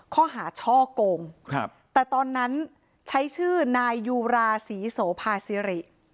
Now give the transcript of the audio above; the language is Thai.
ข้อหาช่อกงแต่ตอนนั้นใช้ชื่อนายยูราศรีโสภาซิริ